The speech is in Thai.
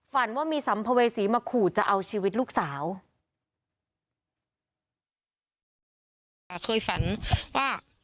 ฝันว่ามีสำภเวศีมาขู่จะเอาชีวิตลูกสาว